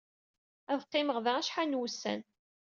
Ad qqiment da acḥal n wussan.